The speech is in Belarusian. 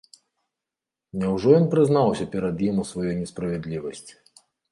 Няўжо ён прызнаўся перад ім у сваёй несправядлівасці?